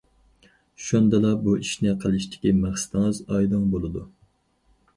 شۇندىلا بۇ ئىشنى قىلىشتىكى مەقسىتىڭىز ئايدىڭ بولىدۇ.